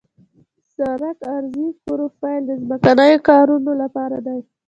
د سړک عرضي پروفیل د ځمکنیو کارونو لپاره دی